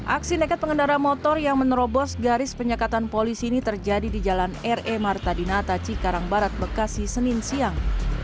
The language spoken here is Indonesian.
aksi nekat pengendara motor yang menerobos garis penyekatan polisi ini terjadi di jalan r e martadina taci karangbarat bekasi senin siang